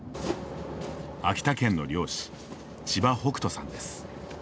秋田県の漁師、千葉北斗さんです。